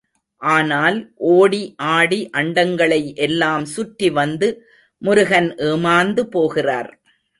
ஆனால் ஓடி ஆடி அண்டங்களை எல்லாம் சுற்றி வந்து முருகன் ஏமாந்து போகிறார்.